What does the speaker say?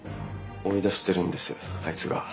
追い出してるんですあいつが。